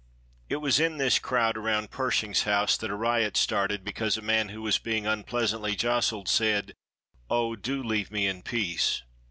It was in this crowd around Pershing's house that a riot started, because a man who was being unpleasantly jostled said: "Oh, do leave me in peace."